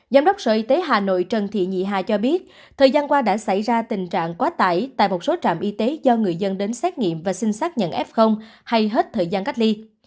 giám đốc sở y tế hà nội trần thị nhị hà cho biết thời gian qua đã xảy ra tình trạng quá tải tại một số trạm y tế do người dân đến xét nghiệm và xin xác nhận f hay hết thời gian cách ly